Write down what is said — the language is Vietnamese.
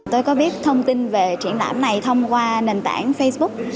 tôi có biết thông tin về triển lãm này thông qua nền tảng facebook